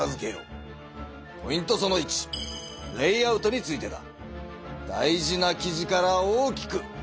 その１レイアウトについてだ。